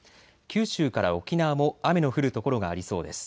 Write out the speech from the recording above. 九州から沖縄も雨の降る所がありそうです。